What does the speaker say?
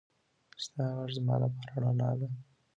ستا غږ زما لپاره رڼا ده.